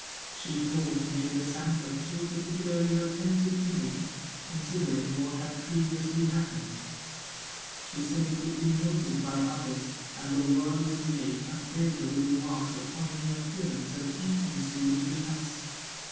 She thought Major Sanford too particularly attentive to me, considering what had previously happened. She said it would be noticed by others, and the world would make unfavorable remarks upon any appearance of intimacy between us.